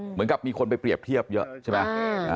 เหมือนกับมีคนไปเปรียบเทียบเยอะใช่ไหม